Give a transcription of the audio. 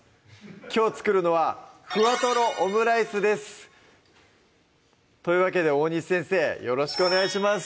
きょう作るのは「ふわとろオムライス」ですというわけで大西先生よろしくお願いします